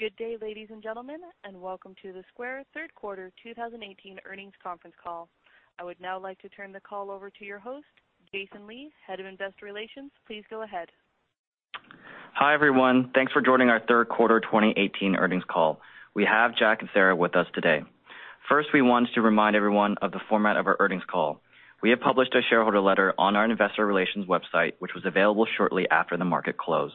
Good day, ladies and gentlemen, welcome to the Square third quarter 2018 earnings conference call. I would now like to turn the call over to your host, Jason Lee, Head of Investor Relations. Please go ahead. Hi, everyone. Thanks for joining our third quarter 2018 earnings call. We have Jack and Sarah with us today. We wanted to remind everyone of the format of our earnings call. We have published a shareholder letter on our investor relations website, which was available shortly after the market closed.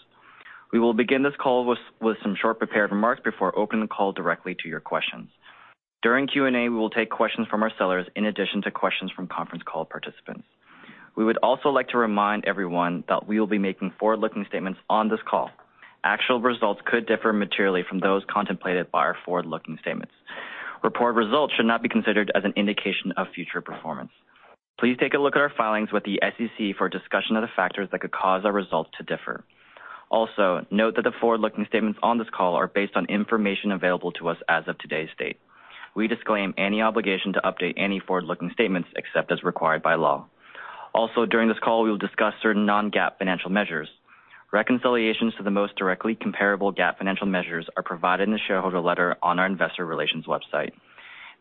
We will begin this call with some short prepared remarks before opening the call directly to your questions. During Q&A, we will take questions from our sellers in addition to questions from conference call participants. We would also like to remind everyone that we will be making forward-looking statements on this call. Actual results could differ materially from those contemplated by our forward-looking statements. Reported results should not be considered as an indication of future performance. Please take a look at our filings with the SEC for a discussion of the factors that could cause our results to differ. Note that the forward-looking statements on this call are based on information available to us as of today's date. We disclaim any obligation to update any forward-looking statements except as required by law. During this call, we will discuss certain non-GAAP financial measures. Reconciliations to the most directly comparable GAAP financial measures are provided in the shareholder letter on our investor relations website.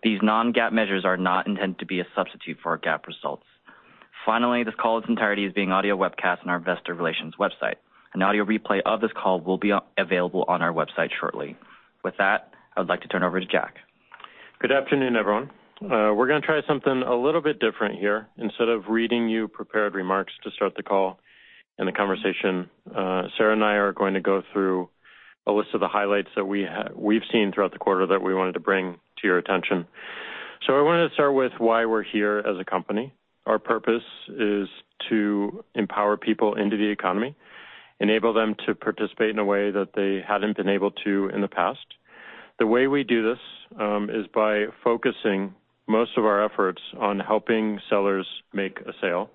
These non-GAAP measures are not intended to be a substitute for our GAAP results. This call in its entirety is being audio webcast on our investor relations website. An audio replay of this call will be available on our website shortly. With that, I would like to turn over to Jack. Good afternoon, everyone. We're going to try something a little bit different here. Instead of reading you prepared remarks to start the call and the conversation, Sarah and I are going to go through a list of the highlights that we've seen throughout the quarter that we wanted to bring to your attention. I wanted to start with why we're here as a company. Our purpose is to empower people into the economy, enable them to participate in a way that they hadn't been able to in the past. The way we do this is by focusing most of our efforts on helping sellers make a sale,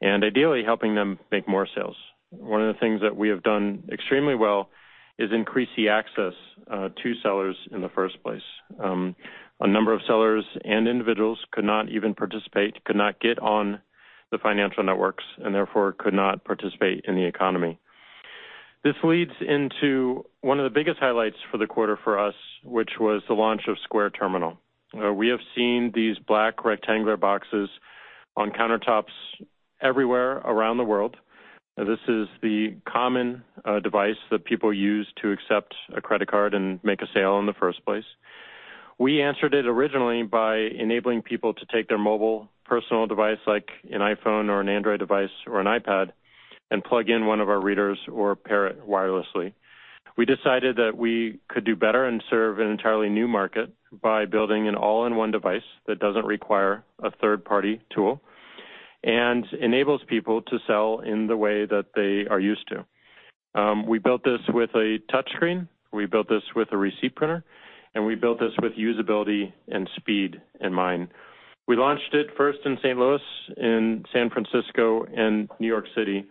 and ideally helping them make more sales. One of the things that we have done extremely well is increase the access to sellers in the first place. A number of sellers and individuals could not even participate, could not get on the financial networks, and therefore could not participate in the economy. This leads into one of the biggest highlights for the quarter for us, which was the launch of Square Terminal. We have seen these black rectangular boxes on countertops everywhere around the world. This is the common device that people use to accept a credit card and make a sale in the first place. We answered it originally by enabling people to take their mobile personal device, like an iPhone or an Android device or an iPad, and plug in one of our readers or pair it wirelessly. We decided that we could do better and serve an entirely new market by building an all-in-one device that doesn't require a third-party tool and enables people to sell in the way that they are used to. We built this with a touch screen, we built this with a receipt printer, and we built this with usability and speed in mind. We launched it first in St. Louis, in San Francisco, and New York City,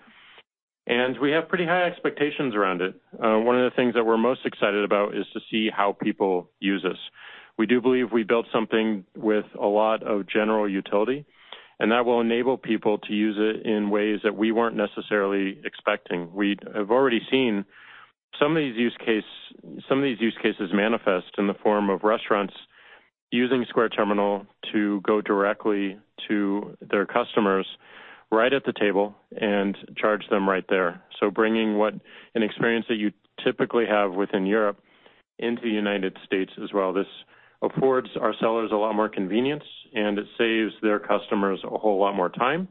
and we have pretty high expectations around it. One of the things that we're most excited about is to see how people use us. We do believe we built something with a lot of general utility, and that will enable people to use it in ways that we weren't necessarily expecting. We have already seen some of these use cases manifest in the form of restaurants using Square Terminal to go directly to their customers right at the table and charge them right there. Bringing an experience that you typically have within Europe into the United States as well. This affords our sellers a lot more convenience, and it saves their customers a whole lot more time,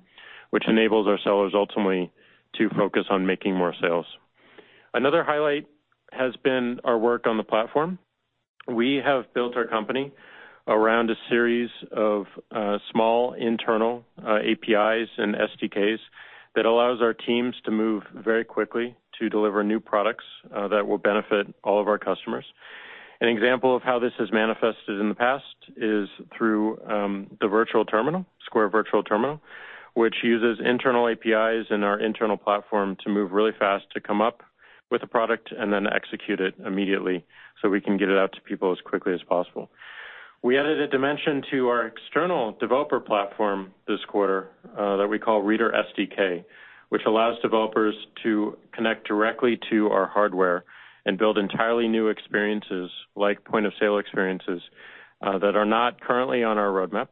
which enables our sellers ultimately to focus on making more sales. Another highlight has been our work on the platform. We have built our company around a series of small internal APIs and SDKs that allows our teams to move very quickly to deliver new products that will benefit all of our customers. An example of how this has manifested in the past is through the Square Virtual Terminal, which uses internal APIs in our internal platform to move really fast to come up with a product and then execute it immediately so we can get it out to people as quickly as possible. We added a dimension to our external developer platform this quarter that we call Reader SDK, which allows developers to connect directly to our hardware and build entirely new experiences, like point-of-sale experiences, that are not currently on our roadmap,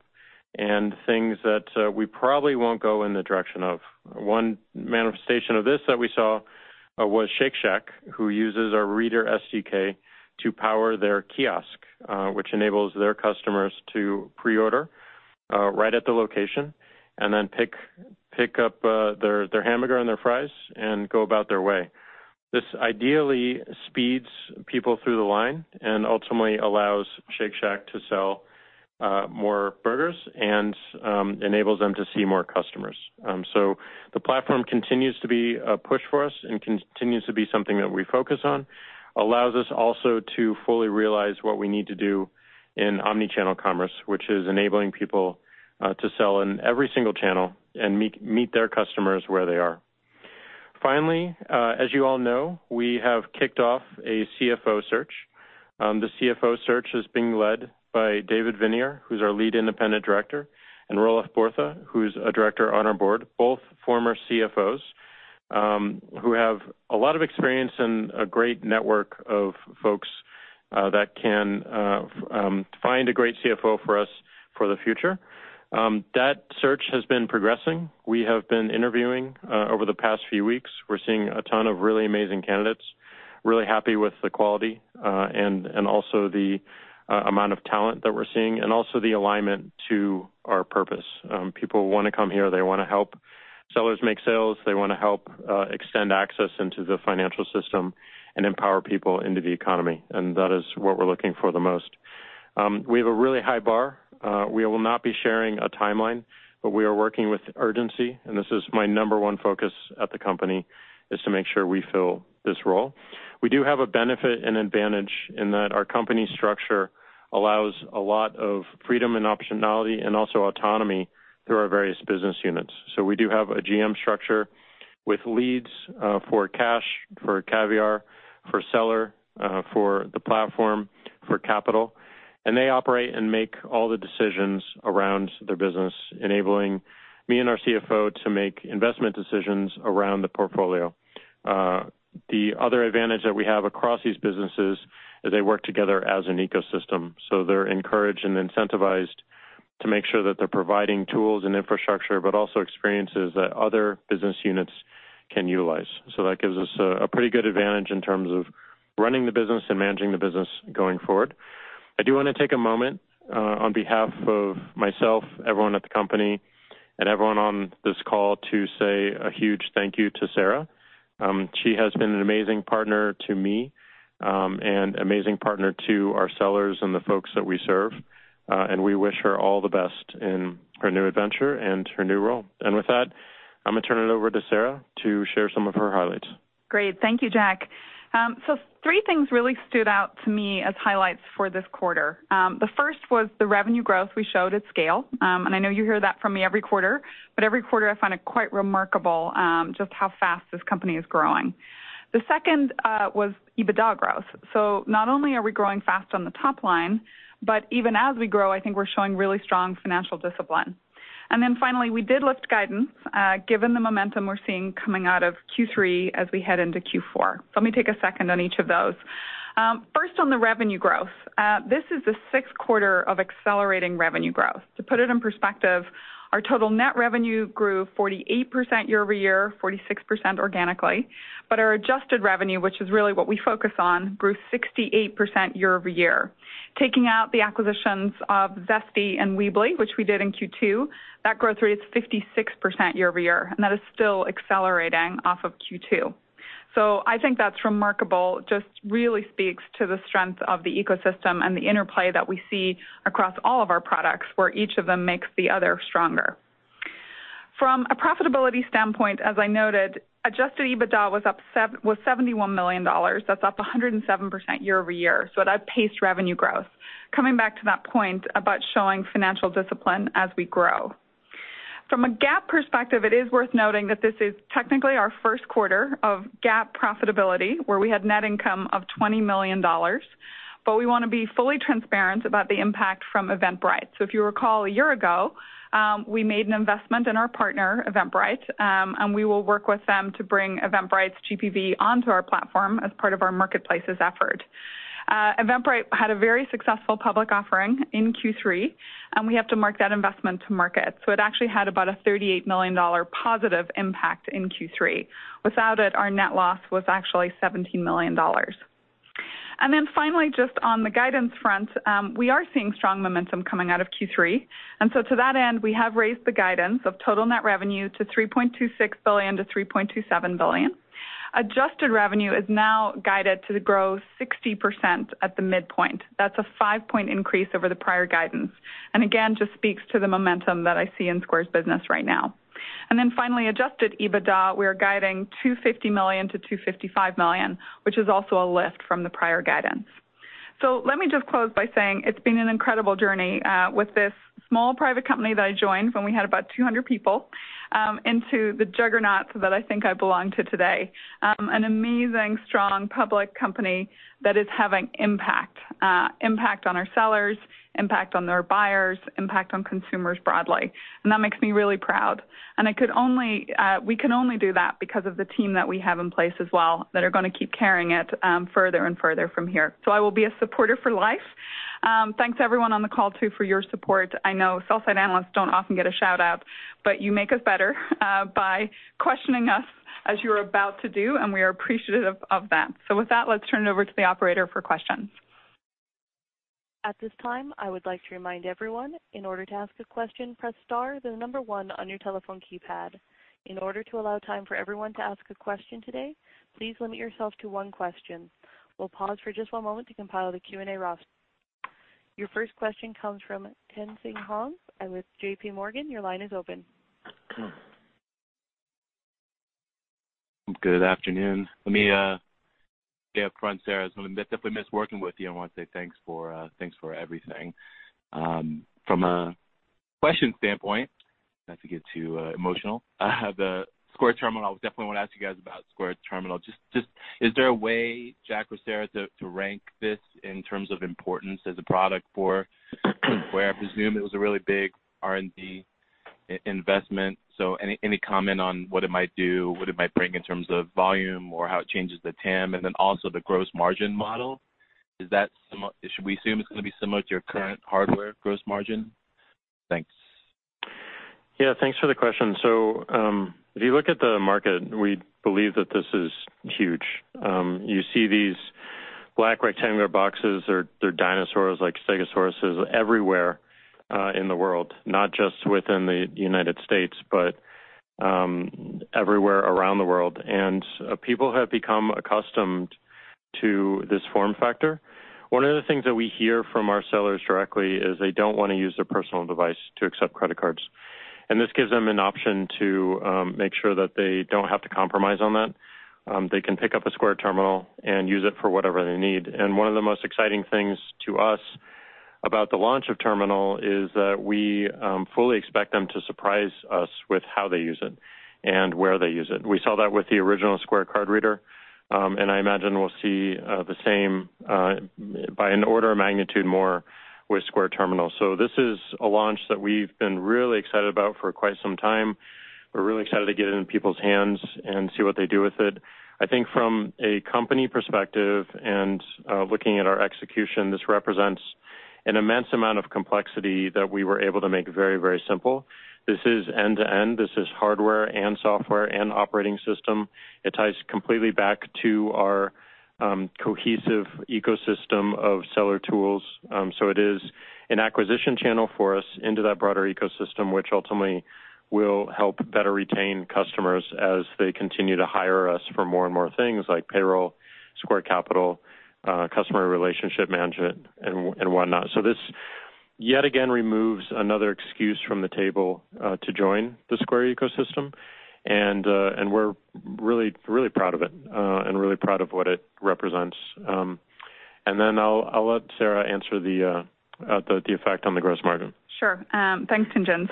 and things that we probably won't go in the direction of. One manifestation of this that we saw was Shake Shack, who uses our Reader SDK to power their kiosk, which enables their customers to pre-order right at the location and then pick up their hamburger and their fries and go about their way. This ideally speeds people through the line and ultimately allows Shake Shack to sell more burgers and enables them to see more customers. The platform continues to be a push for us and continues to be something that we focus on. Allows us also to fully realize what we need to do in omni-channel commerce, which is enabling people to sell in every single channel and meet their customers where they are. Finally, as you all know, we have kicked off a CFO search. The CFO search is being led by David Viniar, who's our lead independent director, and Roelof Botha, who's a director on our board, both former CFOs, who have a lot of experience and a great network of folks that can find a great CFO for us for the future. That search has been progressing. We have been interviewing over the past few weeks. We're seeing a ton of really amazing candidates, really happy with the quality and also the amount of talent that we're seeing and also the alignment to our purpose. People want to come here. They want to help sellers make sales. They want to help extend access into the financial system and empower people into the economy, and that is what we're looking for the most. We have a really high bar. We will not be sharing a timeline, but we are working with urgency, and this is my number one focus at the company, is to make sure we fill this role. We do have a benefit and advantage in that our company structure allows a lot of freedom and optionality and also autonomy through our various business units. We do have a GM structure with leads for Cash, for Caviar, for Seller, for the Platform, for Capital, and they operate and make all the decisions around their business, enabling me and our CFO to make investment decisions around the portfolio. The other advantage that we have across these businesses is they work together as an ecosystem. They're encouraged and incentivized to make sure that they're providing tools and infrastructure, but also experiences that other business units can utilize. That gives us a pretty good advantage in terms of running the business and managing the business going forward. I do want to take a moment on behalf of myself, everyone at the company, and everyone on this call to say a huge thank you to Sarah. She has been an amazing partner to me, and amazing partner to our sellers and the folks that we serve. We wish her all the best in her new adventure and her new role. With that, I'm going to turn it over to Sarah to share some of her highlights. Great. Thank you, Jack. Three things really stood out to me as highlights for this quarter. The first was the revenue growth we showed at scale. I know you hear that from me every quarter, but every quarter I find it quite remarkable just how fast this company is growing. The second was EBITDA growth. Not only are we growing fast on the top line, but even as we grow, I think we're showing really strong financial discipline. Finally, we did lift guidance, given the momentum we're seeing coming out of Q3 as we head into Q4. Let me take a second on each of those. First on the revenue growth. This is the sixth quarter of accelerating revenue growth. To put it in perspective, our total net revenue grew 48% year-over-year, 46% organically, but our adjusted revenue, which is really what we focus on, grew 68% year-over-year. Taking out the acquisitions of Zesty and Weebly, which we did in Q2, that growth rate is 56% year-over-year, and that is still accelerating off of Q2. I think that's remarkable, just really speaks to the strength of the ecosystem and the interplay that we see across all of our products, where each of them makes the other stronger. From a profitability standpoint, as I noted, adjusted EBITDA was $71 million. That's up 107% year-over-year. At a paced revenue growth. Coming back to that point about showing financial discipline as we grow. From a GAAP perspective, it is worth noting that this is technically our first quarter of GAAP profitability, where we had net income of $20 million, but we want to be fully transparent about the impact from Eventbrite. If you recall, a year ago, we made an investment in our partner, Eventbrite, and we will work with them to bring Eventbrite's GPV onto our platform as part of our marketplaces effort. Eventbrite had a very successful public offering in Q3, and we have to mark that investment to market. It actually had about a $38 million positive impact in Q3. Without it, our net loss was actually $17 million. Then finally, just on the guidance front, we are seeing strong momentum coming out of Q3, to that end, we have raised the guidance of total net revenue to $3.26 billion-$3.27 billion. Adjusted revenue is now guided to grow 60% at the midpoint. That's a five-point increase over the prior guidance, and again, just speaks to the momentum that I see in Square's business right now. Then finally, adjusted EBITDA, we are guiding $250 million-$255 million, which is also a lift from the prior guidance. Let me just close by saying it's been an incredible journey with this small private company that I joined when we had about 200 people into the juggernaut that I think I belong to today, an amazing, strong public company that is having impact. Impact on our sellers, impact on their buyers, impact on consumers broadly, and that makes me really proud. We can only do that because of the team that we have in place as well that are going to keep carrying it further and further from here. I will be a supporter for life. Thanks, everyone on the call too for your support. I know sell-side analysts don't often get a shout-out, but you make us better by questioning us as you're about to do, and we are appreciative of that. With that, let's turn it over to the operator for questions. At this time, I would like to remind everyone, in order to ask a question, press star, then one on your telephone keypad. In order to allow time for everyone to ask a question today, please limit yourself to one question. We'll pause for just one moment to compile the Q&A roster. Your first question comes from Tien-Tsin Huang with JPMorgan. Your line is open. Good afternoon. Yeah, up front, Sarah. I definitely miss working with you, and I want to say thanks for everything. From a question standpoint, not to get too emotional. The Square Terminal, definitely want to ask you guys about Square Terminal. Is there a way, Jack or Sarah, to rank this in terms of importance as a product for where I presume it was a really big R&D investment? Any comment on what it might do, what it might bring in terms of volume or how it changes the TAM, and then also the gross margin model? Should we assume it's going to be similar to your current hardware gross margin? Thanks. Yeah, thanks for the question. If you look at the market, we believe that this is huge. You see these black rectangular boxes or they're dinosaurs like stegosauruses everywhere, in the world, not just within the U.S., but everywhere around the world. People have become accustomed to this form factor. One of the things that we hear from our sellers directly is they don't want to use their personal device to accept credit cards, and this gives them an option to make sure that they don't have to compromise on that. They can pick up a Square Terminal and use it for whatever they need. One of the most exciting things to us about the launch of Terminal is that we fully expect them to surprise us with how they use it and where they use it. We saw that with the original Square Reader, and I imagine we'll see the same, by an order of magnitude more with Square Terminal. This is a launch that we've been really excited about for quite some time. We're really excited to get it in people's hands and see what they do with it. I think from a company perspective and looking at our execution, this represents an immense amount of complexity that we were able to make very, very simple. This is end-to-end. This is hardware and software and operating system. It ties completely back to our cohesive ecosystem of seller tools. It is an acquisition channel for us into that broader ecosystem, which ultimately will help better retain customers as they continue to hire us for more and more things like Square Payroll, Square Capital, customer relationship management and whatnot. This, yet again, removes another excuse from the table to join the Square ecosystem. We're really, really proud of it, and really proud of what it represents. I'll let Sarah answer the effect on the gross margin. Sure. Thanks, Tien-Tsin.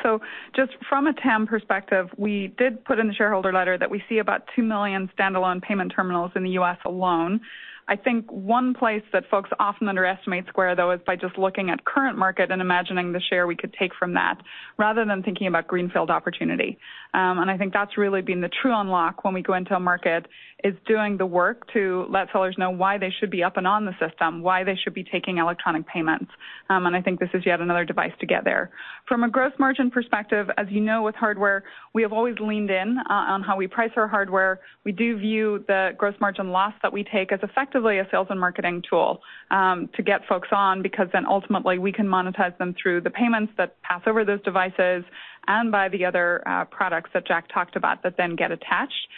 Just from a TAM perspective, we did put in the shareholder letter that we see about 2 million standalone payment terminals in the U.S. alone. I think one place that folks often underestimate Square, though, is by just looking at current market and imagining the share we could take from that, rather than thinking about greenfield opportunity. I think that's really been the true unlock when we go into a market, is doing the work to let sellers know why they should be up and on the system, why they should be taking electronic payments. I think this is yet another device to get there. From a gross margin perspective, as you know, with hardware, we have always leaned in on how we price our hardware. We do view the gross margin loss that we take as effectively a sales and marketing tool, to get folks on, because then ultimately we can monetize them through the payments that pass over those devices and by the other products that Jack talked about that then get attached.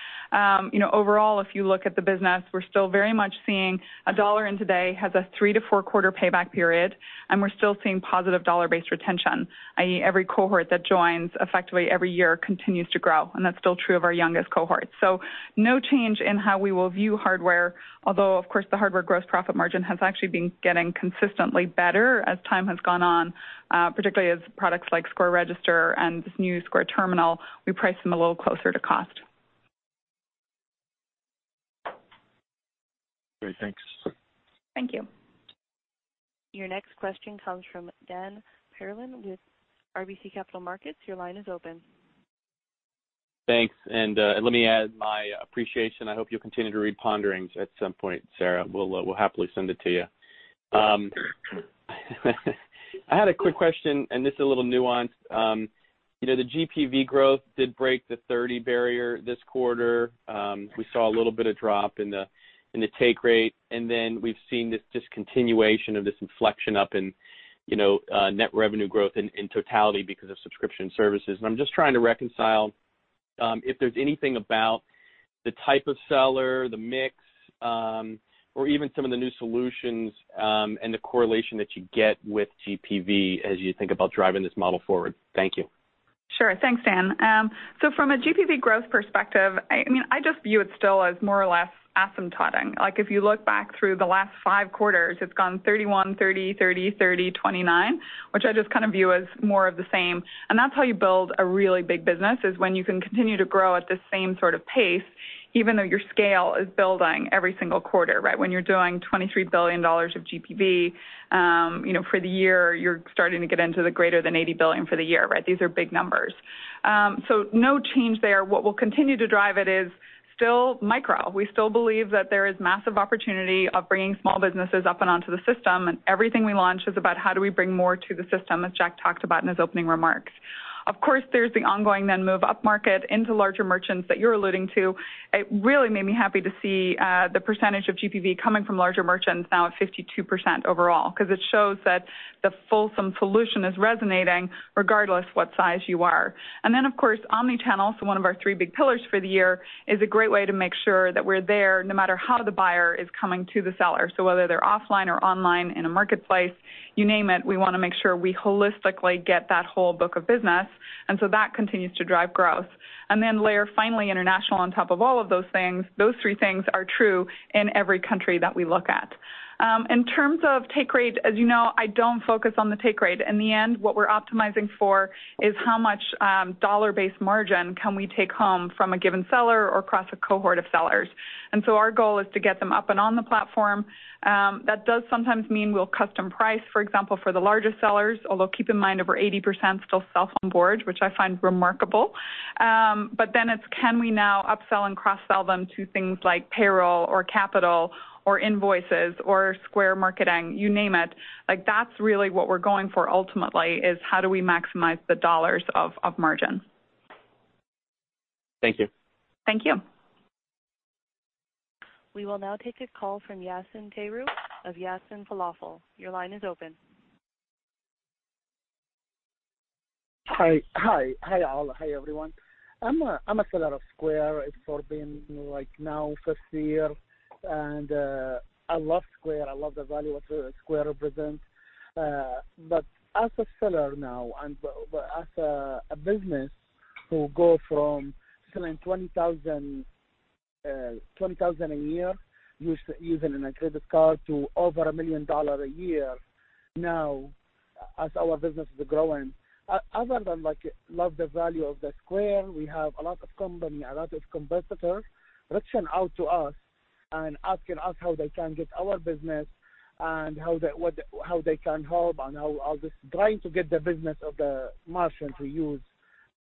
Overall, if you look at the business, we're still very much seeing a dollar in today has a three to four quarter payback period, and we're still seeing positive dollar-based retention, i.e., every cohort that joins effectively every year continues to grow, and that's still true of our youngest cohort. No change in how we will view hardware, although, of course, the hardware gross profit margin has actually been getting consistently better as time has gone on, particularly as products like Square Register and this new Square Terminal, we price them a little closer to cost. Great. Thanks. Thank you. Your next question comes from Dan Perlin with RBC Capital Markets. Your line is open. Thanks, and let me add my appreciation. I hope you'll continue to read "Ponderings" at some point, Sarah. We'll happily send it to you. I had a quick question, and this is a little nuanced. The GPV growth did break the 30% barrier this quarter. We saw a little bit of drop in the take rate, then we've seen this continuation of this inflection up in net revenue growth in totality because of subscription services. I'm just trying to reconcile if there's anything about the type of seller, the mix, or even some of the new solutions, and the correlation that you get with GPV as you think about driving this model forward. Thank you. Sure. Thanks, Dan. From a GPV growth perspective, I just view it still as more or less asymptoting. If you look back through the last five quarters, it's gone 31%, 30%, 30%, 30%, 29%, which I just kind of view as more of the same. That's how you build a really big business, is when you can continue to grow at the same sort of pace, even though your scale is building every single quarter, right? When you're doing $23 billion of GPV, for the year, you're starting to get into the greater than $80 billion for the year, right? These are big numbers. No change there. What will continue to drive it is still micro. We still believe that there is massive opportunity of bringing small businesses up and onto the system, everything we launch is about how do we bring more to the system, as Jack talked about in his opening remarks. There's the ongoing move upmarket into larger merchants that you're alluding to. It really made me happy to see, the percentage of GPV coming from larger merchants now at 52% overall, because it shows that the fulsome solution is resonating regardless of what size you are. Omni-channel, so one of our three big pillars for the year, is a great way to make sure that we're there no matter how the buyer is coming to the seller. Whether they're offline or online, in a marketplace, you name it, we want to make sure we holistically get that whole book of business, that continues to drive growth. Layer, finally, international on top of all of those things. Those three things are true in every country that we look at. In terms of take rate, as you know, I don't focus on the take rate. In the end, what we're optimizing for is how much dollar-based margin can we take home from a given seller or across a cohort of sellers. Our goal is to get them up and on the platform. That does sometimes mean we'll custom price, for example, for the larger sellers. Although, keep in mind, over 80% still self-onboard, which I find remarkable. It's can we now upsell and cross-sell them to things like Square Payroll or Square Capital or Square Invoices or Square Marketing, you name it. That's really what we're going for ultimately, is how do we maximize the dollars of margin. Thank you. Thank you. We will now take a call from Yassin Terou of Yassin's Falafel House. Your line is open. Hi. Hi all. Hi, everyone. I'm a seller of Square. It's for being now fifth year. I love Square. I love the value what Square represents. As a seller now, and as a business who go from selling 20,000 a year using a credit card to over $1 million a year now as our business is growing. Other than love the value of the Square, we have a lot of company, a lot of competitor reaching out to us and asking us how they can get our business and how they can help, and how they're trying to get the business of the merchant we use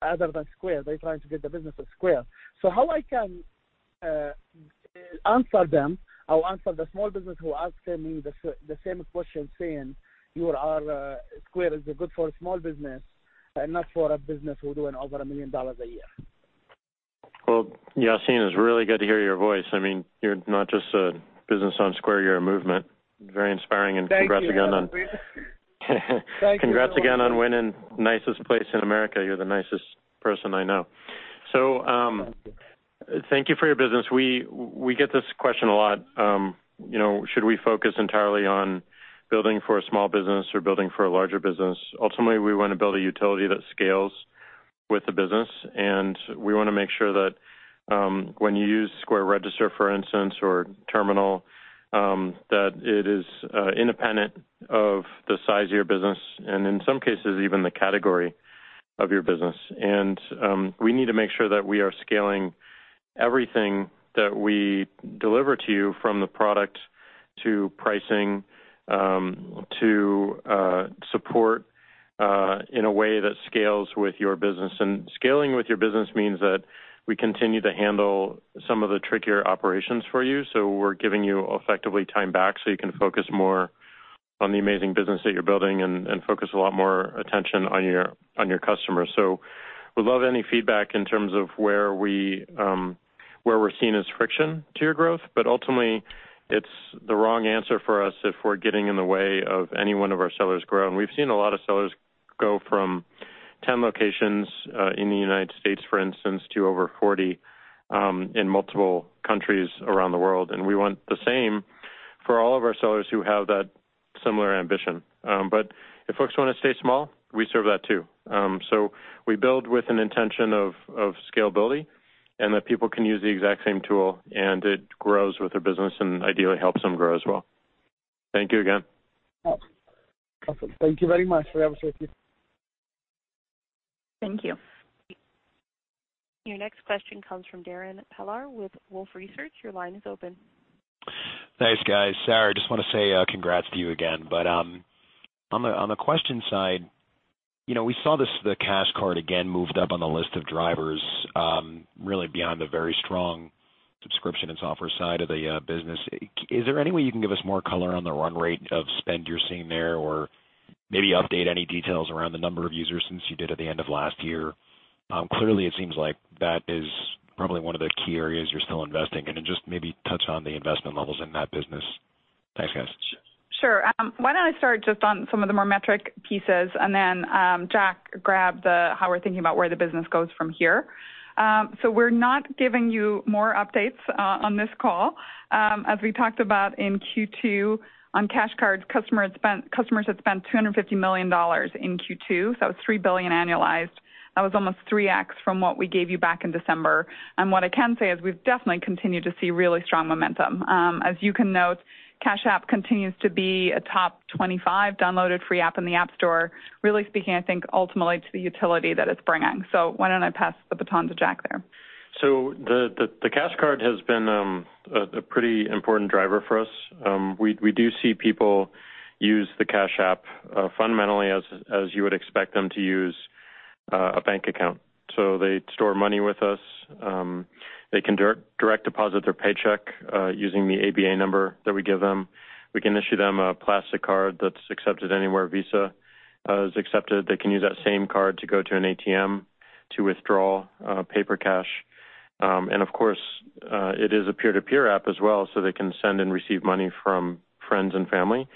other than Square. They're trying to get the business of Square. How I can answer them or answer the small business who asking me the same question, saying Square is good for a small business and not for a business who doing over $1 million a year. Well, Yassin, it's really good to hear your voice. You're not just a business on Square, you're a movement. Very inspiring and congrats again on- Thank you. Congrats again on winning nicest place in America. You're the nicest person I know. Thank you. Thank you for your business. We get this question a lot. Should we focus entirely on building for a small business or building for a larger business? Ultimately, we want to build a utility that scales with the business, and we want to make sure that, when you use Square Register, for instance, or Terminal, that it is independent of the size of your business and in some cases, even the category of your business. We need to make sure that we are scaling everything that we deliver to you, from the product to pricing, to support, in a way that scales with your business. Scaling with your business means that we continue to handle some of the trickier operations for you. We're giving you effectively time back so you can focus more on the amazing business that you're building and focus a lot more attention on your customers. We'd love any feedback in terms of where we're seeing as friction to your growth, but ultimately, it's the wrong answer for us if we're getting in the way of any one of our sellers grow. We've seen a lot of sellers go from 10 locations in the U.S., for instance, to over 40, in multiple countries around the world. We want the same for all of our sellers who have that similar ambition. If folks want to stay small, we serve that too. We build with an intention of scalability and that people can use the exact same tool and it grows with their business and ideally helps them grow as well. Thank you again. Awesome. Thank you very much. Thank you. Your next question comes from Darrin Peller with Wolfe Research. Your line is open. Thanks, guys. Sarah, I just want to say congrats to you again. On the question side, we saw this, the Cash Card again moved up on the list of drivers, really beyond the very strong subscription and software side of the business. Is there any way you can give us more color on the run rate of spend you're seeing there, or maybe update any details around the number of users since you did at the end of last year? Clearly, it seems like that is probably one of the key areas you're still investing in, and just maybe touch on the investment levels in that business. Thanks, guys. Sure. Why don't I start just on some of the more metric pieces and then, Jack, grab how we're thinking about where the business goes from here. We're not giving you more updates on this call. As we talked about in Q2 on Cash Cards, customers had spent $250 million in Q2, that was $3 billion annualized. That was almost 3x from what we gave you back in December. What I can say is we've definitely continued to see really strong momentum. As you can note, Cash App continues to be a top 25 downloaded free app in the App Store, really speaking, I think, ultimately to the utility that it's bringing. Why don't I pass the baton to Jack there? The Cash Card has been a pretty important driver for us. We do see people use the Cash App fundamentally as you would expect them to use a bank account. They store money with us. They can direct deposit their paycheck, using the ABA number that we give them. We can issue them a plastic card that's accepted anywhere Visa is accepted. They can use that same card to go to an ATM to withdraw paper cash. And of course, it is a peer-to-peer app as well, they can send and receive money from friends and family.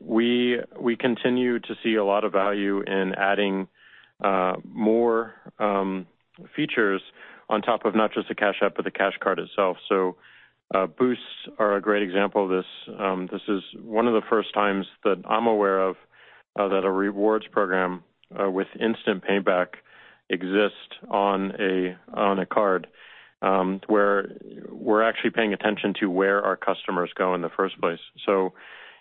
We continue to see a lot of value in adding more features on top of not just the Cash App, but the Cash Card itself. Boosts are a great example of this. This is one of the first times that I'm aware of that a rewards program with instant payback exists on a card, where we're actually paying attention to where our customers go in the first place.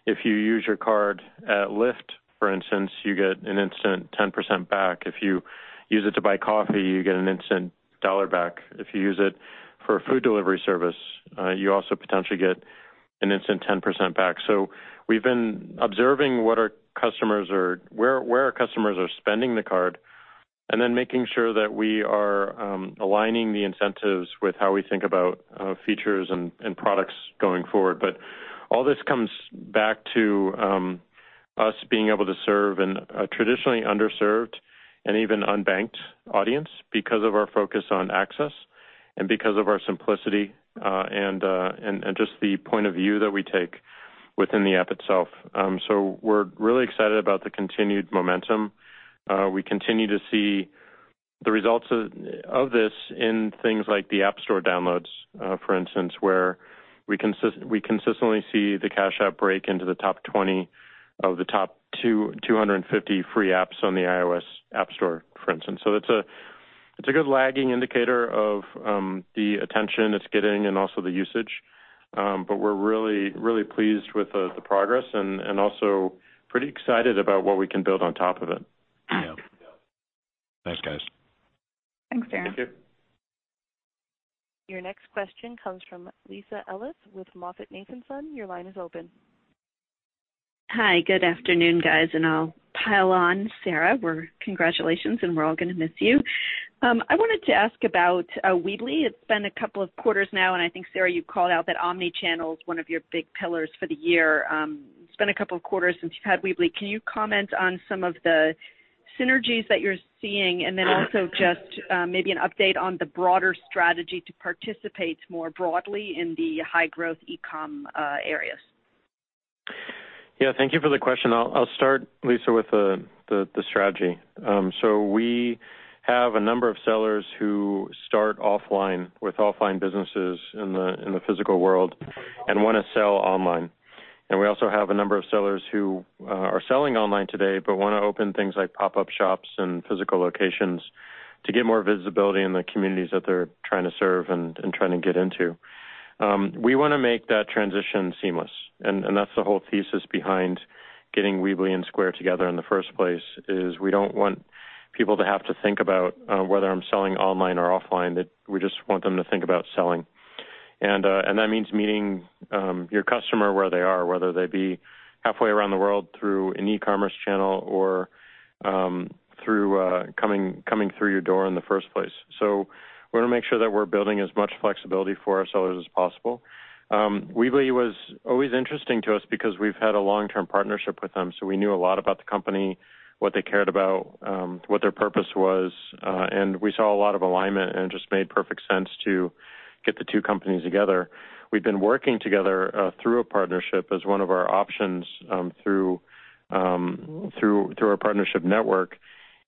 If you use your card at Lyft, for instance, you get an instant 10% back. If you use it to buy coffee, you get an instant $1 back. If you use it for a food delivery service, you also potentially get an instant 10% back. We've been observing where our customers are spending the card and then making sure that we are aligning the incentives with how we think about features and products going forward. All this comes back to us being able to serve in a traditionally underserved and even unbanked audience because of our focus on access and because of our simplicity, and just the point of view that we take within the app itself. We're really excited about the continued momentum. We continue to see the results of this in things like the App Store downloads, for instance, where we consistently see the Cash App break into the top 20 of the top 250 free apps on the iOS App Store, for instance. It's a good lagging indicator of the attention it's getting and also the usage. We're really pleased with the progress and also pretty excited about what we can build on top of it. Yeah. Thanks, guys. Thanks, Darrin. Thank you. Your next question comes from Lisa Ellis with MoffettNathanson. Your line is open. Hi, good afternoon, guys. I'll pile on Sarah, congratulations, and we're all going to miss you. I wanted to ask about Weebly. It's been a couple of quarters now, and I think, Sarah, you called out that omni-channel is one of your big pillars for the year. It's been a couple of quarters since you've had Weebly. Can you comment on some of the synergies that you're seeing, and then also just maybe an update on the broader strategy to participate more broadly in the high-growth e-com areas? Yeah, thank you for the question. I'll start, Lisa, with the strategy. We have a number of sellers who start offline with offline businesses in the physical world and want to sell online. We also have a number of sellers who are selling online today but want to open things like pop-up shops and physical locations to get more visibility in the communities that they're trying to serve and trying to get into. We want to make that transition seamless, and that's the whole thesis behind getting Weebly and Square together in the first place, is we don't want people to have to think about whether I'm selling online or offline, that we just want them to think about selling. That means meeting your customer where they are, whether they be halfway around the world through an e-commerce channel or coming through your door in the first place. We want to make sure that we're building as much flexibility for our sellers as possible. Weebly was always interesting to us because we've had a long-term partnership with them. We knew a lot about the company, what they cared about, what their purpose was, and we saw a lot of alignment, and it just made perfect sense to get the two companies together. We've been working together through a partnership as one of our options through our partnership network.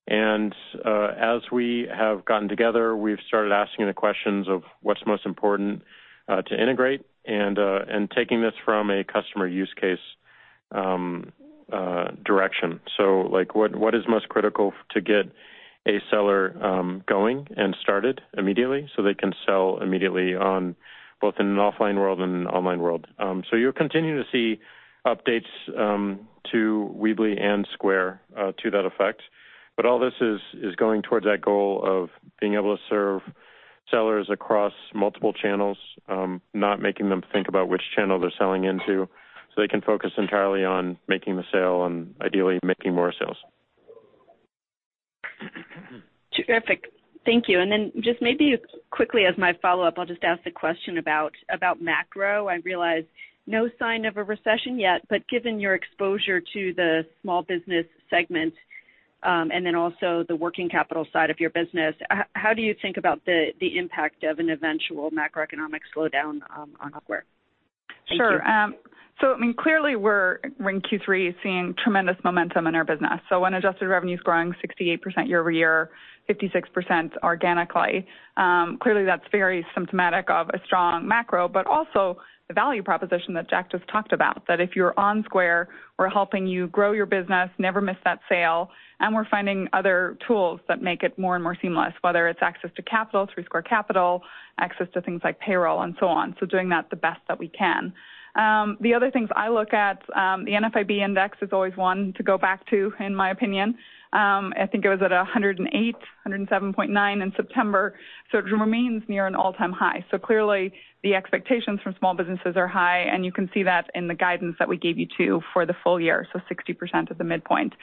As we have gotten together, we've started asking the questions of what's most important to integrate and taking this from a customer use case direction. What is most critical to get a seller going and started immediately so they can sell immediately on both in an offline world and an online world? You'll continue to see updates to Weebly and Square to that effect. All this is going towards that goal of being able to serve sellers across multiple channels, not making them think about which channel they're selling into so they can focus entirely on making the sale and ideally making more sales. Terrific. Thank you. Then just maybe quickly as my follow-up, I'll just ask the question about macro. I realize no sign of a recession yet, but given your exposure to the small business segment, and then also the working capital side of your business, how do you think about the impact of an eventual macroeconomic slowdown on Square? Sure. Clearly we're, in Q3, seeing tremendous momentum in our business. When adjusted revenue's growing 68% year-over-year, 56% organically, clearly that's very symptomatic of a strong macro, but also the value proposition that Jack just talked about, that if you're on Square, we're helping you grow your business, never miss that sale, and we're finding other tools that make it more and more seamless, whether it's access to capital through Square Capital, access to things like payroll, and so on. Doing that the best that we can. The other things I look at, the NFIB index is always one to go back to, in my opinion. I think it was at 108, 107.9 in September, so it remains near an all-time high. Clearly, the expectations from small businesses are high, and you can see that in the guidance that we gave you too for the full year, 60% at the midpoint.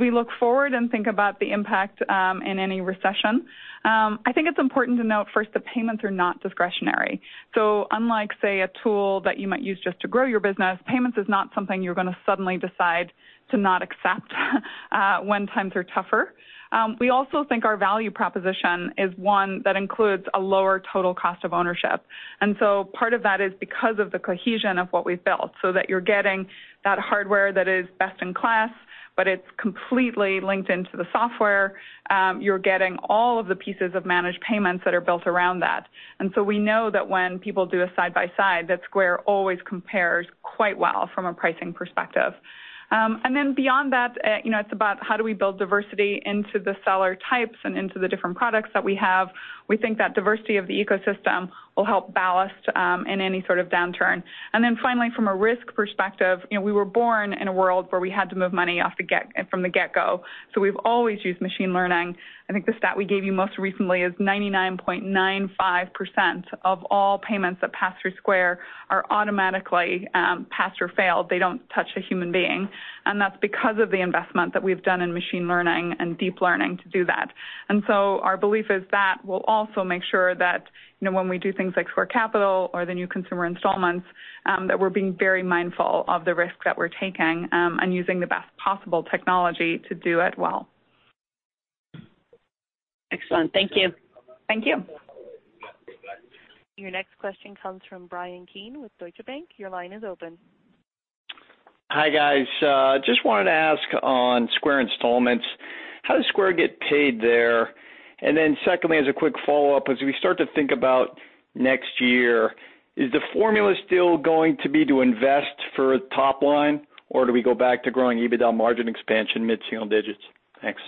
We look forward and think about the impact in any recession, I think it's important to note first that payments are not discretionary. Unlike, say, a tool that you might use just to grow your business, payments is not something you're going to suddenly decide to not accept when times are tougher. We also think our value proposition is one that includes a lower total cost of ownership. Part of that is because of the cohesion of what we've built, so that you're getting that hardware that is best in class, but it's completely linked into the software. You're getting all of the pieces of managed payments that are built around that. We know that when people do a side by side, that Square always compares quite well from a pricing perspective. Beyond that, it's about how do we build diversity into the seller types and into the different products that we have. We think that diversity of the ecosystem will help ballast in any sort of downturn. Finally, from a risk perspective, we were born in a world where we had to move money off from the get go. We've always used machine learning. I think the stat we gave you most recently is 99.95% of all payments that pass through Square are automatically pass or fail. They don't touch a human being, and that's because of the investment that we've done in machine learning and deep learning to do that. Our belief is that we'll also make sure that when we do things like Square Capital or the new Square Installments, that we're being very mindful of the risk that we're taking and using the best possible technology to do it well. Excellent. Thank you. Thank you. Your next question comes from Bryan Keane with Deutsche Bank. Your line is open. Hi, guys. Just wanted to ask on Square Installments, how does Square get paid there? Then secondly, as a quick follow-up, as we start to think about next year, is the formula still going to be to invest for top line, or do we go back to growing EBITDA margin expansion mid-single digits? Thanks.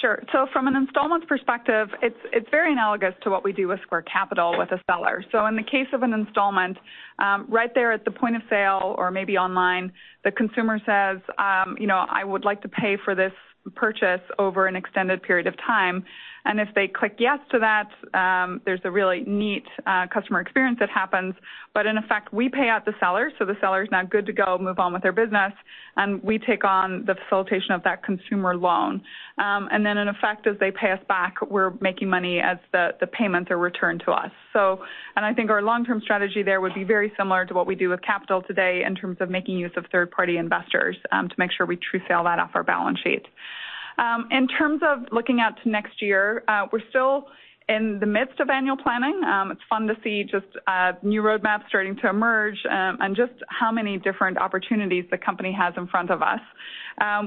Sure. From an installments perspective, it's very analogous to what we do with Square Capital with a seller. In the case of an installment, right there at the point of sale or maybe online, the consumer says, "I would like to pay for this purchase over an extended period of time." If they click yes to that, there's a really neat customer experience that happens. In effect, we pay out the seller, so the seller's now good to go, move on with their business, and we take on the facilitation of that consumer loan. Then in effect, as they pay us back, we're making money as the payments are returned to us. I think our long-term strategy there would be very similar to what we do with Capital today in terms of making use of third-party investors to make sure we true sale that off our balance sheet. In terms of looking out to next year, we're still in the midst of annual planning. It's fun to see just new roadmaps starting to emerge and just how many different opportunities the company has in front of us.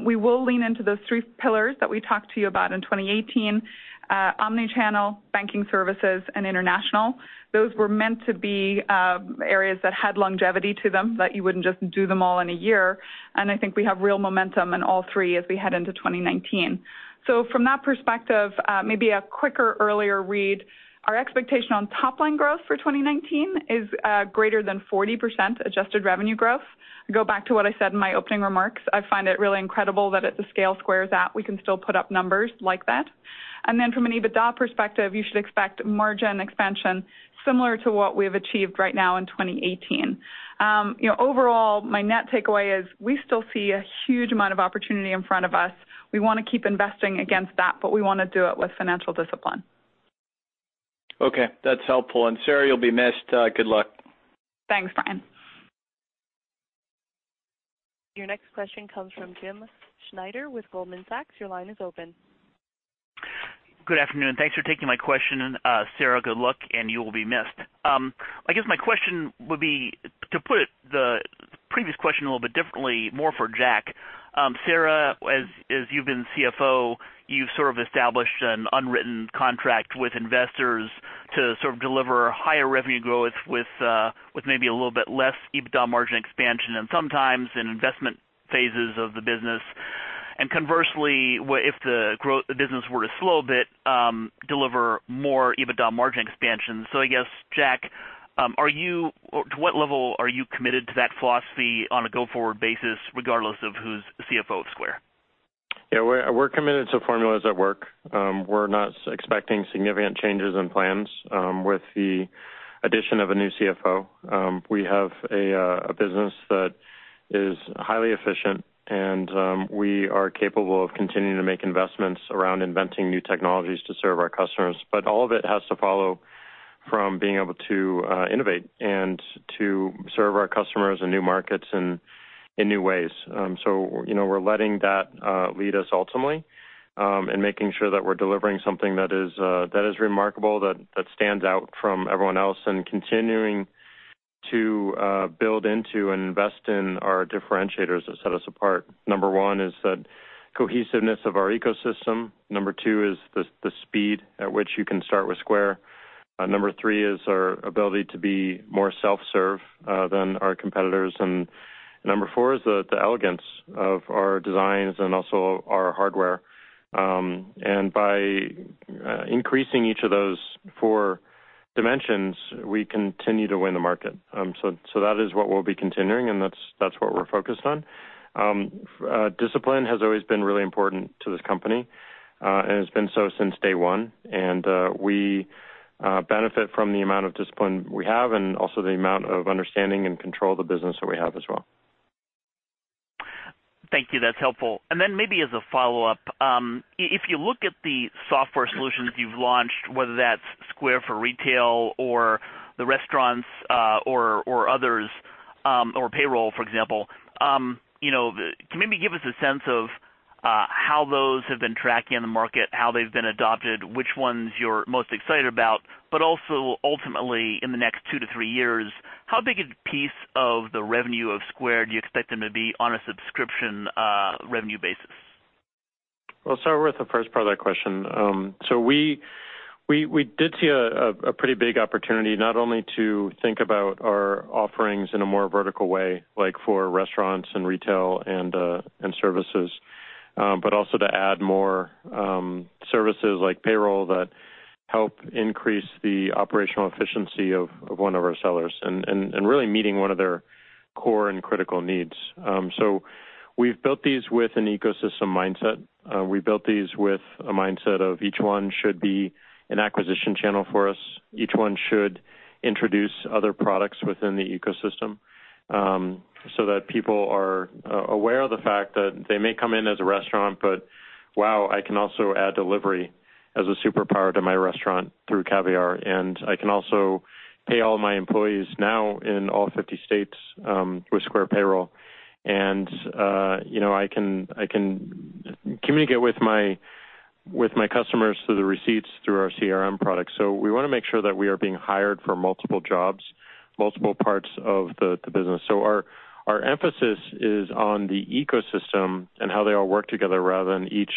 We will lean into those three pillars that we talked to you about in 2018, omni-channel, banking services, and international. Those were meant to be areas that had longevity to them, that you wouldn't just do them all in a year, and I think we have real momentum in all three as we head into 2019. From that perspective, maybe a quicker, earlier read, our expectation on top line growth for 2019 is greater than 40% adjusted revenue growth. I go back to what I said in my opening remarks. I find it really incredible that at the scale Square's at, we can still put up numbers like that. Then from an EBITDA perspective, you should expect margin expansion similar to what we've achieved right now in 2018. Overall, my net takeaway is we still see a huge amount of opportunity in front of us. We want to keep investing against that, but we want to do it with financial discipline. Okay. That's helpful. Sarah, you'll be missed. Good luck. Thanks, Bryan. Your next question comes from James Schneider with Goldman Sachs. Your line is open. Good afternoon. Thanks for taking my question. Sarah, good luck, and you will be missed. I guess my question would be to put the previous question a little bit differently, more for Jack. Sarah, as you've been CFO, you've sort of established an unwritten contract with investors to sort of deliver higher revenue growth with maybe a little bit less EBITDA margin expansion, and sometimes in investment phases of the business. Conversely, if the business were to slow a bit, deliver more EBITDA margin expansion. I guess, Jack, to what level are you committed to that philosophy on a go-forward basis, regardless of who's CFO of Square? We're committed to formulas that work. We're not expecting significant changes in plans with the addition of a new CFO. We have a business that is highly efficient, and we are capable of continuing to make investments around inventing new technologies to serve our customers. All of it has to follow from being able to innovate and to serve our customers in new markets and in new ways. We're letting that lead us ultimately, and making sure that we're delivering something that is remarkable, that stands out from everyone else, and continuing to build into and invest in our differentiators that set us apart. Number one is the cohesiveness of our ecosystem. Number two is the speed at which you can start with Square. Number three is our ability to be more self-serve than our competitors. Number four is the elegance of our designs and also our hardware. By increasing each of those four dimensions, we continue to win the market. That is what we'll be continuing, and that's what we're focused on. Discipline has always been really important to this company, and has been so since day one. We benefit from the amount of discipline we have and also the amount of understanding and control of the business that we have as well. Thank you. That's helpful. Maybe as a follow-up, if you look at the software solutions you've launched, whether that's Square for Retail or Square for Restaurants or others, or Square Payroll, for example. Can you maybe give us a sense of how those have been tracking in the market, how they've been adopted, which ones you're most excited about, but also ultimately in the next two to three years, how big a piece of the revenue of Square do you expect them to be on a subscription revenue basis? I'll start with the first part of that question. We did see a pretty big opportunity not only to think about our offerings in a more vertical way, like for restaurants and retail and services, but also to add more services like Square Payroll that help increase the operational efficiency of one of our sellers, and really meeting one of their core and critical needs. We've built these with an ecosystem mindset. We built these with a mindset of each one should be an acquisition channel for us. Each one should introduce other products within the ecosystem, so that people are aware of the fact that they may come in as a restaurant, but, wow, I can also add delivery as a superpower to my restaurant through Caviar, and I can also pay all my employees now in all 50 states, with Square Payroll. I can communicate with my customers through the receipts through our CRM product. We want to make sure that we are being hired for multiple jobs, multiple parts of the business. Our emphasis is on the ecosystem and how they all work together rather than each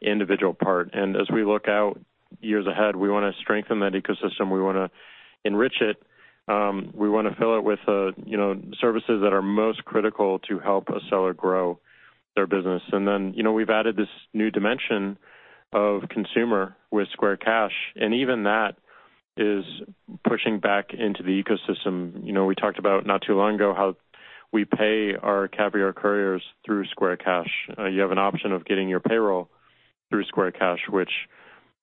individual part. As we look out years ahead, we want to strengthen that ecosystem. We want to enrich it. We want to fill it with services that are most critical to help a seller grow their business. Then, we've added this new dimension of consumer with Square Cash, and even that is pushing back into the ecosystem. We talked about not too long ago how we pay our Caviar couriers through Square Cash. You have an option of getting your payroll through Square Cash, which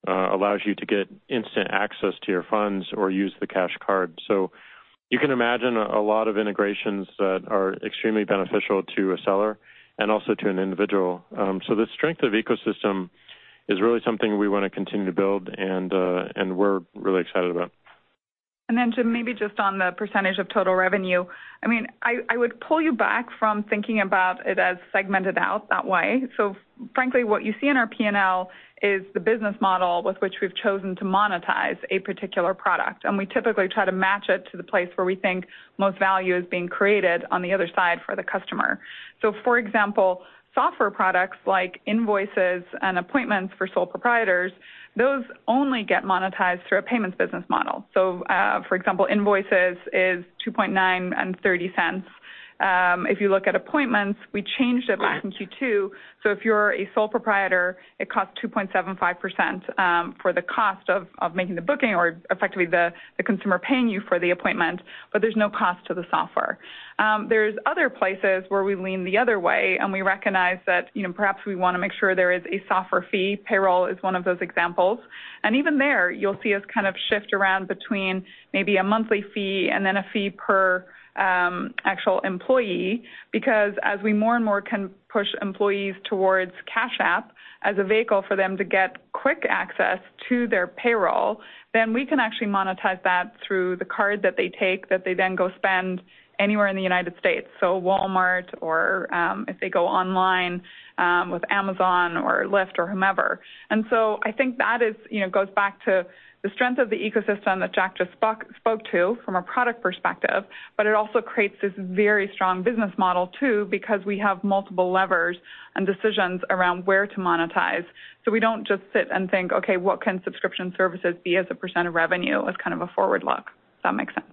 allows you to get instant access to your funds or use the Cash Card. You can imagine a lot of integrations that are extremely beneficial to a seller and also to an individual. The strength of ecosystem is really something we want to continue to build and we're really excited about. Jim, maybe just on the percentage of total revenue. I would pull you back from thinking about it as segmented out that way. Frankly, what you see in our P&L is the business model with which we've chosen to monetize a particular product, and we typically try to match it to the place where we think most value is being created on the other side for the customer. For example, software products like Invoices and Appointments for sole proprietors, those only get monetized through a payments business model. For example, Invoices is 2.9% and $0.30. If you look at Appointments, we changed it back in Q2, if you're a sole proprietor, it costs 2.75% for the cost of making the booking or effectively the consumer paying you for the appointment, but there's no cost to the software. There's other places where we lean the other way, and we recognize that perhaps we want to make sure there is a software fee. Payroll is one of those examples. Even there, you'll see us kind of shift around between maybe a monthly fee and then a fee per actual employee, because as we more and more can push employees towards Cash App as a vehicle for them to get quick access to their payroll, then we can actually monetize that through the card that they take, that they then go spend anywhere in the U.S. Walmart or if they go online, with Amazon or Lyft or whomever. I think that goes back to the strength of the ecosystem that Jack just spoke to from a product perspective, but it also creates this very strong business model too because we have multiple levers and decisions around where to monetize. We don't just sit and think, okay, what can subscription services be as a percentage of revenue as kind of a forward look, if that makes sense.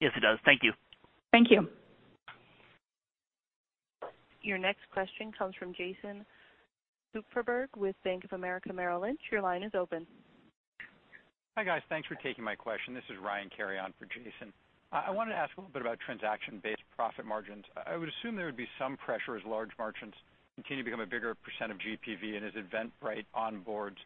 Yes, it does. Thank you. Thank you. Your next question comes from Jason Kupferberg with Bank of America Merrill Lynch. Your line is open. Hi, guys. Thanks for taking my question. This is Ryan carrying on for Jason. I wanted to ask a little bit about transaction-based profit margins. I would assume there would be some pressure as large merchants continue to become a bigger 100% of GPV and as Eventbrite onboards.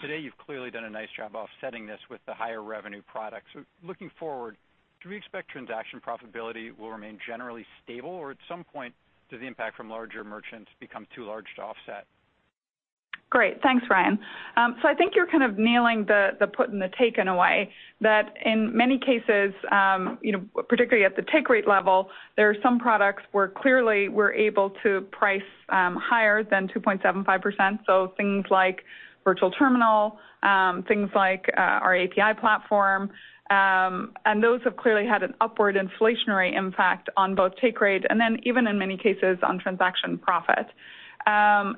Today you've clearly done a nice job offsetting this with the higher revenue products. Looking forward, do we expect transaction profitability will remain generally stable, or at some point does the impact from larger merchants become too large to offset? Great. Thanks, Ryan. I think you're kind of nailing the put and the take in a way that in many cases, particularly at the take rate level, there are some products where clearly we're able to price higher than 2.75%. Things like virtual terminal, things like our API platform, and those have clearly had an upward inflationary impact on both take rate and then even in many cases, on transaction profit.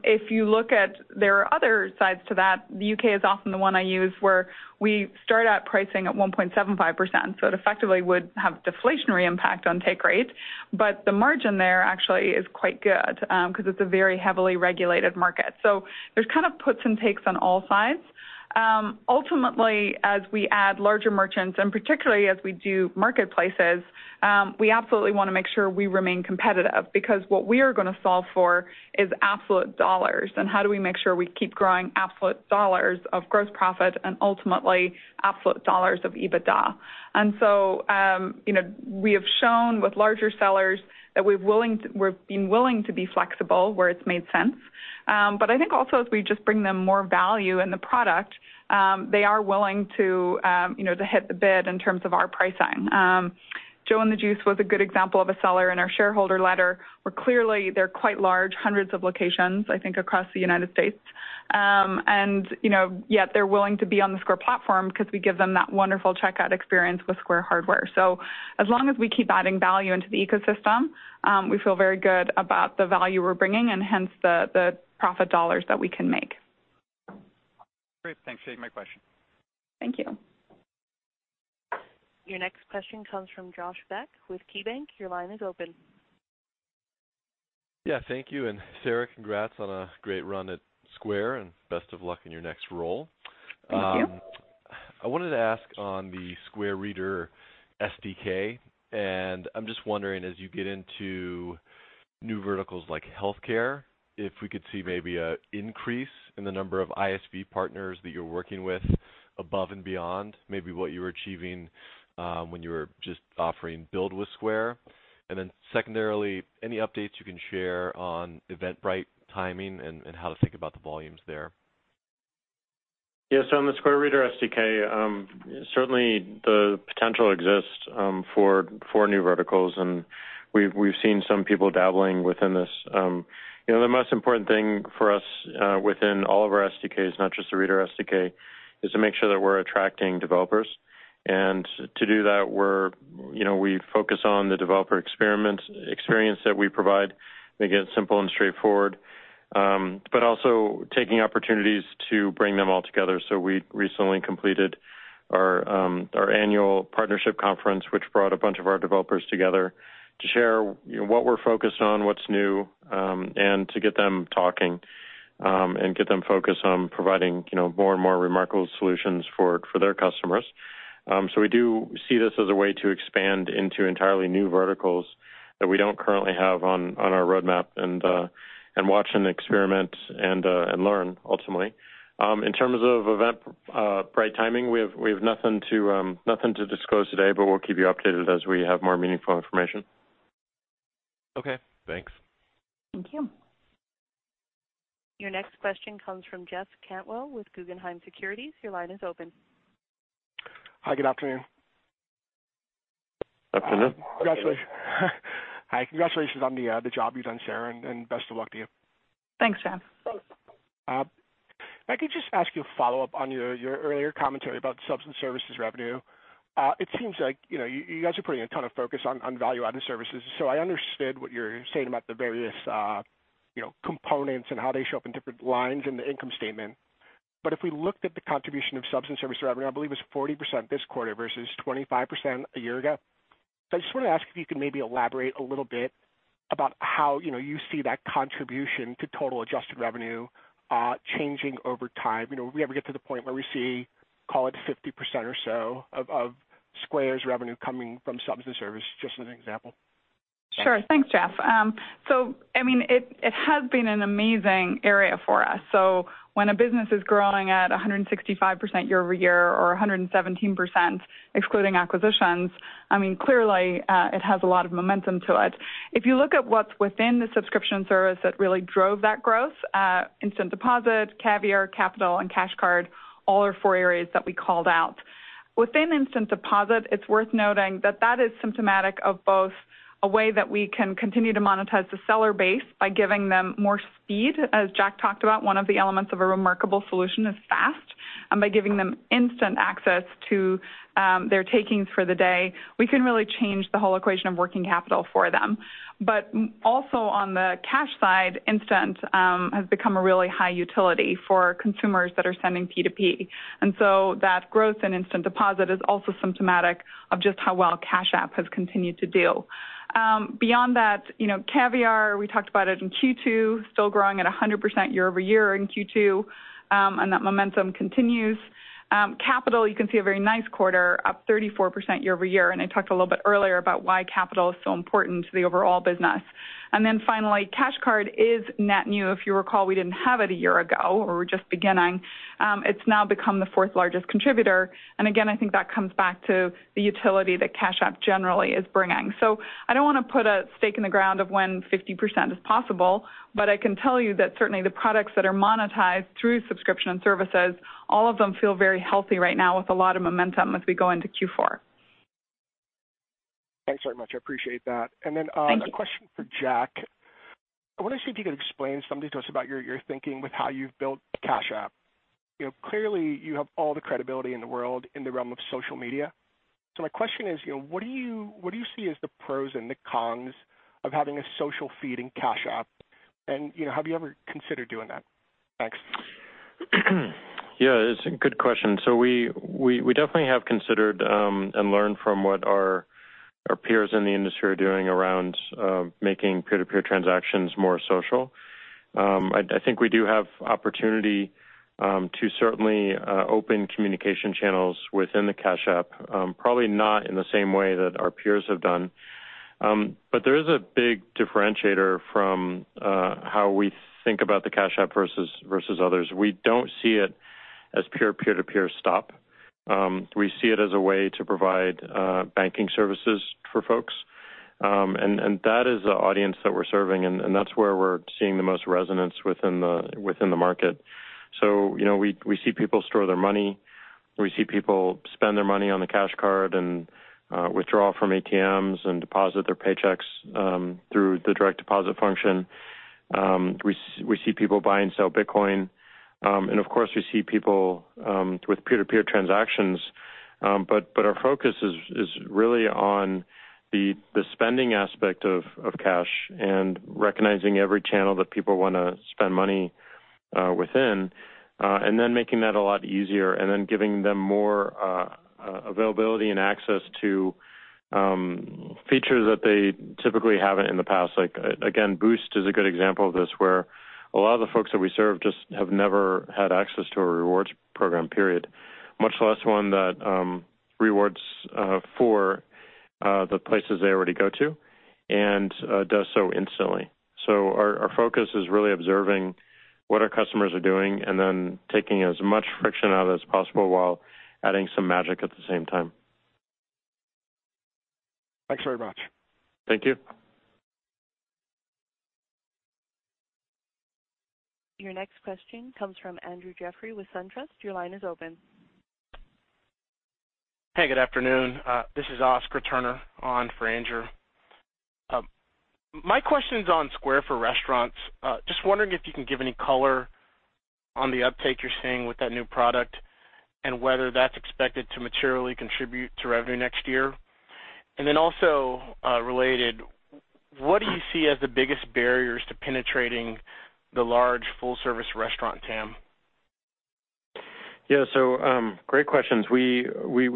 If you look at, there are other sides to that. The U.K. is often the one I use where we start out pricing at 1.75%, it effectively would have a deflationary impact on take rate, the margin there actually is quite good, because it's a very heavily regulated market. There's kind of puts and takes on all sides. Ultimately, as we add larger merchants, particularly as we do marketplaces, we absolutely want to make sure we remain competitive, because what we are going to solve for is absolute dollars, how do we make sure we keep growing absolute dollars of gross profit and ultimately absolute dollars of EBITDA. We have shown with larger sellers that we've been willing to be flexible where it's made sense. I think also as we just bring them more value in the product, they are willing to hit the bid in terms of our pricing. Joe & The Juice was a good example of a seller in our shareholder letter, where clearly they're quite large, hundreds of locations, I think, across the U.S. Yet they're willing to be on the Square platform because we give them that wonderful checkout experience with Square hardware. As long as we keep adding value into the ecosystem, we feel very good about the value we're bringing and hence the profit dollars that we can make. Great. Thanks. That's my question. Thank you. Your next question comes from Josh Beck with KeyBank. Your line is open. Yeah, thank you. Sarah, congrats on a great run at Square. Best of luck in your next role. Thank you. I wanted to ask on the Square Reader SDK. I'm just wondering, as you get into new verticals like healthcare, if we could see maybe an increase in the number of ISV partners that you're working with above and beyond maybe what you were achieving when you were just offering Build with Square. Secondarily, any updates you can share on Eventbrite timing and how to think about the volumes there? Yeah. On the Square Reader SDK, certainly the potential exists for new verticals, and we've seen some people dabbling within this. The most important thing for us within all of our SDKs, not just the Reader SDK, is to make sure that we're attracting developers. To do that, we focus on the developer experience that we provide, make it simple and straightforward, but also taking opportunities to bring them all together. We recently completed our annual partnership conference, which brought a bunch of our developers together to share what we're focused on, what's new, and to get them talking, and get them focused on providing more and more remarkable solutions for their customers. We do see this as a way to expand into entirely new verticals that we don't currently have on our roadmap and watch and experiment and learn, ultimately. In terms of Eventbrite timing, we have nothing to disclose today, but we'll keep you updated as we have more meaningful information. Okay, thanks. Thank you. Your next question comes from Jeff Cantwell with Guggenheim Securities. Your line is open. Hi, good afternoon. Afternoon. Hi, congratulations on the job you've done, Sarah, and best of luck to you. Thanks, Jeff. If I could just ask you a follow-up on your earlier commentary about subs and services revenue. It seems like you guys are putting a ton of focus on value-added services. I understood what you're saying about the various components and how they show up in different lines in the income statement. If we looked at the contribution of subs and service revenue, I believe it's 40% this quarter versus 25% a year ago. I just wanted to ask if you could maybe elaborate a little bit about how you see that contribution to total adjusted revenue changing over time. Will we ever get to the point where we see, call it, 50% or so of Square's revenue coming from subs and service? Just as an example. Sure. Thanks, Jeff. It has been an amazing area for us. When a business is growing at 165% year over year or 117%, excluding acquisitions, clearly, it has a lot of momentum to it. If you look at what's within the subscription service that really drove that growth, Instant Deposit, Caviar, Capital and Cash Card, all are four areas that we called out. Within Instant Deposit, it's worth noting that that is symptomatic of both a way that we can continue to monetize the seller base by giving them more speed. As Jack talked about, one of the elements of a remarkable solution is fast, and by giving them instant access to their takings for the day, we can really change the whole equation of working capital for them. Also on the cash side, Instant has become a really high utility for consumers that are sending P2P. That growth in Instant Deposit is also symptomatic of just how well Cash App has continued to do. Beyond that, Caviar, we talked about it in Q2, still growing at 100% year over year in Q2, and that momentum continues. Capital, you can see a very nice quarter, up 34% year over year, and I talked a little bit earlier about why Capital is so important to the overall business. Finally, Cash Card is net new. If you recall, we didn't have it a year ago, or we were just beginning. It's now become the fourth largest contributor. Again, I think that comes back to the utility that Cash App generally is bringing. I don't want to put a stake in the ground of when 50% is possible, but I can tell you that certainly the products that are monetized through subscription and services, all of them feel very healthy right now with a lot of momentum as we go into Q4. Thanks very much. I appreciate that. Thank you. Then a question for Jack. I want to see if you could explain something to us about your thinking with how you've built Cash App. Clearly, you have all the credibility in the world in the realm of social media. My question is, what do you see as the pros and the cons of having a social feed in Cash App? Have you ever considered doing that? Thanks. Yeah. It's a good question. We definitely have considered, and learned from what our peers in the industry are doing around making peer-to-peer transactions more social. I think we do have opportunity to certainly open communication channels within the Cash App. Probably not in the same way that our peers have done. There is a big differentiator from how we think about the Cash App versus others. We don't see it as pure peer-to-peer stop. We see it as a way to provide banking services for folks. That is the audience that we're serving, and that's where we're seeing the most resonance within the market. We see people store their money. We see people spend their money on the Cash Card and withdraw from ATMs and deposit their paychecks through the direct deposit function. We see people buy and sell Bitcoin. Of course, we see people with peer-to-peer transactions. Our focus is really on the spending aspect of Cash and recognizing every channel that people want to spend money within, and then making that a lot easier and then giving them more availability and access to features that they typically haven't in the past. Again, Boost is a good example of this, where a lot of the folks that we serve just have never had access to a rewards program, period, much less one that rewards for the places they already go to and does so instantly. Our focus is really observing what our customers doing and then taking as much friction out as possible while adding some magic at the same time. Thanks very much. Thank you. Your next question comes from Andrew Jeffrey with SunTrust. Your line is open. Hey, good afternoon. This is Oscar Turner on for Andrew Jeffrey. My question's on Square for Restaurants. Just wondering if you can give any color on the uptake you're seeing with that new product and whether that's expected to materially contribute to revenue next year. Related, what do you see as the biggest barriers to penetrating the large full-service restaurant TAM? Yeah. Great questions. We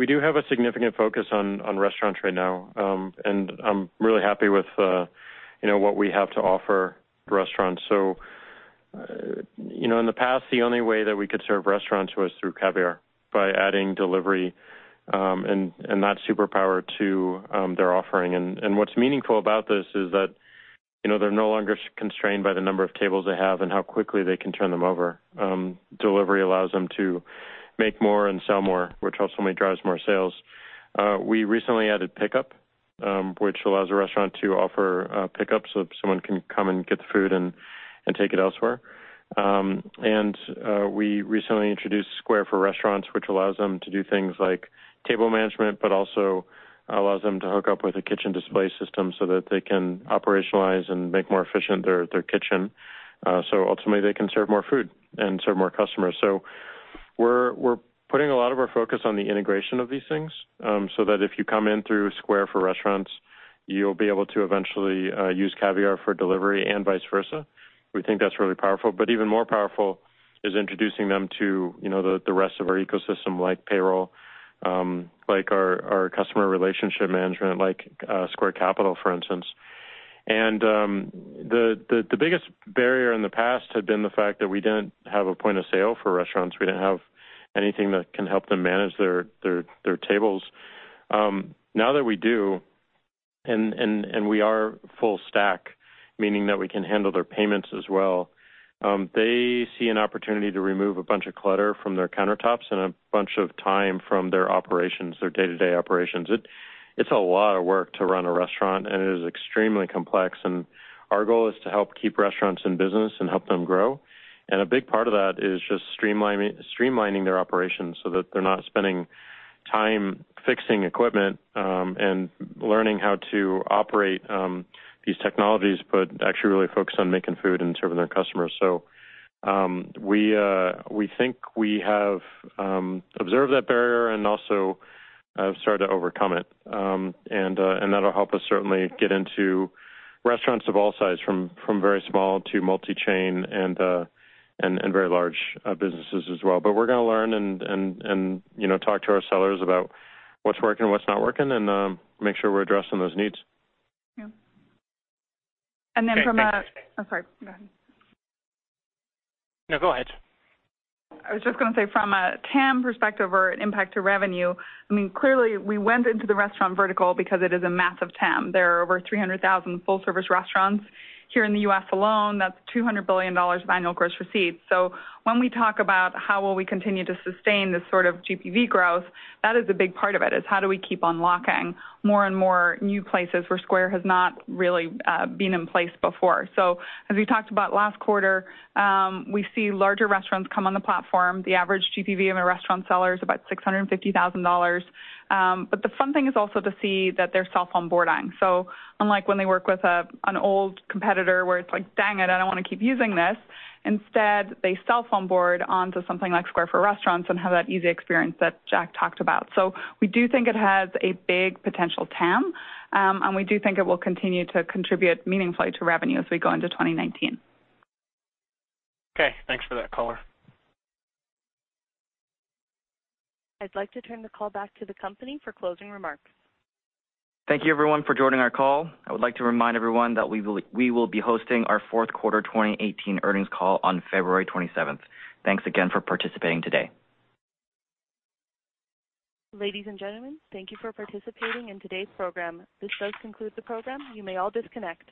do have a significant focus on restaurants right now. I'm really happy with what we have to offer restaurants. In the past, the only way that we could serve restaurants was through Caviar by adding delivery, and that superpower to their offering. What's meaningful about this is that they're no longer constrained by the number of tables they have and how quickly they can turn them over. Delivery allows them to make more and sell more, which ultimately drives more sales. We recently added pickup, which allows a restaurant to offer pickup so someone can come and get the food and take it elsewhere. We recently introduced Square for Restaurants, which allows them to do things like table management, but also allows them to hook up with a kitchen display system so that they can operationalize and make more efficient their kitchen. Ultimately they can serve more food and serve more customers. We're putting a lot of our focus on the integration of these things, so that if you come in through Square for Restaurants, you'll be able to eventually use Caviar for delivery and vice versa. We think that's really powerful, but even more powerful is introducing them to the rest of our ecosystem, like Square Payroll, like our CRM, like Square Capital, for instance. The biggest barrier in the past had been the fact that we didn't have a point-of-sale for restaurants. We didn't have anything that can help them manage their tables. Now that we do, and we are full stack, meaning that we can handle their payments as well, they see an opportunity to remove a bunch of clutter from their countertops and a bunch of time from their operations, their day-to-day operations. It's a lot of work to run a restaurant, and it is extremely complex, and our goal is to help keep restaurants in business and help them grow. A big part of that is just streamlining their operations so that they're not spending time fixing equipment, and learning how to operate these technologies, but actually really focus on making food and serving their customers. We think we have observed that barrier and also have started to overcome it. That'll help us certainly get into restaurants of all size, from very small to multi-chain and very large businesses as well. We're going to learn and talk to our sellers about what's working and what's not working and make sure we're addressing those needs. Yeah. Okay, thanks. I'm sorry. Go ahead. No, go ahead. I was just going to say, from a TAM perspective or an impact to revenue, clearly we went into the restaurant vertical because it is a massive TAM. There are over 300,000 full-service restaurants here in the U.S. alone. That's $200 billion of annual gross receipts. When we talk about how will we continue to sustain this sort of GPV growth, that is a big part of it, is how do we keep unlocking more and more new places where Square has not really been in place before. As we talked about last quarter, we see larger restaurants come on the platform. The average GPV of a restaurant seller is about $650,000. But the fun thing is also to see that they're self-onboarding. Unlike when they work with an old competitor where it's like, "Dang it, I don't want to keep using this," instead, they self-onboard onto something like Square for Restaurants and have that easy experience that Jack talked about. We do think it has a big potential TAM, and we do think it will continue to contribute meaningfully to revenue as we go into 2019. Okay. Thanks for that color. I'd like to turn the call back to the company for closing remarks. Thank you everyone for joining our call. I would like to remind everyone that we will be hosting our fourth quarter 2018 earnings call on February 27th. Thanks again for participating today. Ladies and gentlemen, thank you for participating in today's program. This does conclude the program. You may all disconnect.